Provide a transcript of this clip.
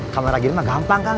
kamera gini mah gampang kan